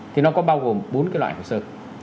thì nó có bao gồm bốn loại hồ sơ